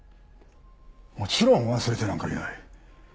もちろん忘れてなんかいない。